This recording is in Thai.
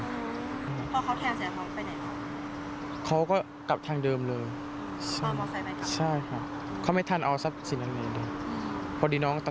พ่อเขากลับทางเดิมไปไหน